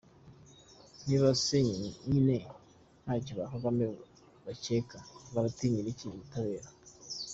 Niba se nyine ntacyo ba Kagame bikeka, baratinyira iki ubutabera!